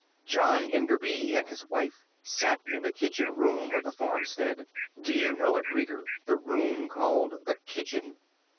John Enderby and his wife sat in the kitchen room of the farmstead. Do you know it, reader, the room called the kitchen?